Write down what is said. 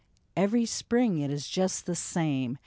" Every spring it is just the same